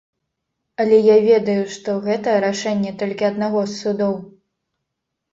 Але я ведаю, што гэта рашэнне толькі аднаго з судоў.